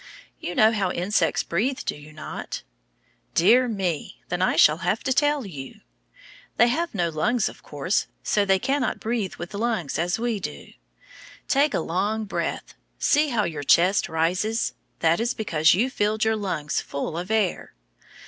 You know how insects breathe do you not? Dear me, then I shall have to tell you. They have no lungs; of course, so they cannot breathe with lungs as we do. Take a long breath see how your chest rises that is because you filled your lungs full of air.